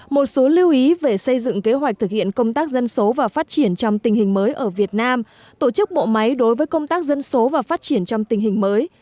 một số lưu ý về xây dựng kế hoạch thực hiện công tác dân số và phát triển trong tình hình mới ở việt nam tổ chức bộ máy đối với công tác dân số và phát triển trong tình hình mới